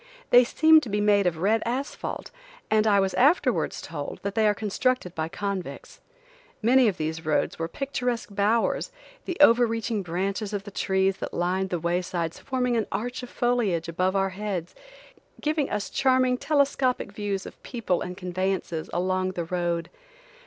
They seemed to be made of red asphalt, and I was afterwards told that they are constructed by convicts. Many of these roads were picturesque bowers, the over reaching branches of the trees that lined the waysides forming an arch of foliage above our heads, giving us charming telescopic views of people and conveyances along the road.